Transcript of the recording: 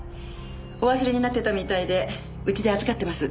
お忘れになってたみたいでうちで預かってます。